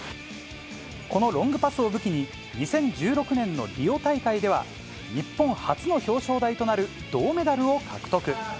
このロングパスを武器に、２０１６年のリオ大会では、日本初の表彰台となる銅メダルを獲得。